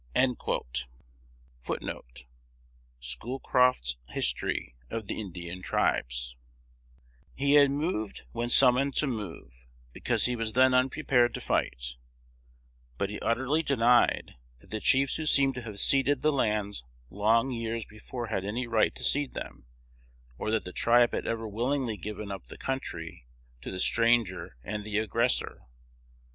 "1 He had moved when summoned to move, because he was then unprepared to fight; but he utterly denied that the chiefs who seemed to have ceded the lands long years before had any right to cede them, or that the tribe had ever willingly given up the country to the stranger and the aggressor.